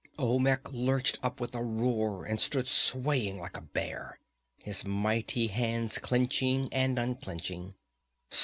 Olmec lurched up with a roar, and stood swaying like a bear, his mighty hands clenching and unclenching.